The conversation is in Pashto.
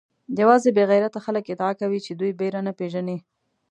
یوازې بې غیرته خلک ادعا کوي چې دوی بېره نه پېژني.